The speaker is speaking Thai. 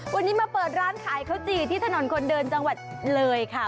วันนี้มาเปิดร้านขายข้าวจี่ที่ถนนคนเดินจังหวัดเลยค่ะ